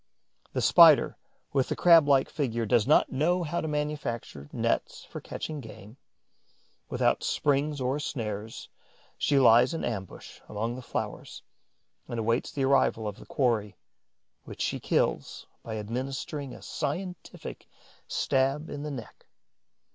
The Spider with the Crab like figure does not know how to manufacture nets for catching game. Without springs or snares, she lies in ambush, among the flowers, and awaits the arrival of the quarry, which she kills by administering a scientific stab in the neck.